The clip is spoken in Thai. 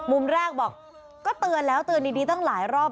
มุมแรกบอกก็เตือนแล้วเตือนดีตั้งหลายรอบ